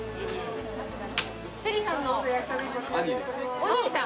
お兄さん。